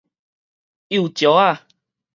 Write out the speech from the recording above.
幼石仔